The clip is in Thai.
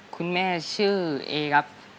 คุณแม่ชื่อเอครับ